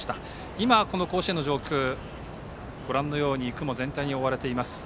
今、甲子園の上空はご覧のように雲全体に覆われています。